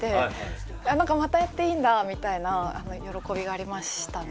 何かまたやっていいんだみたいな喜びがありましたね。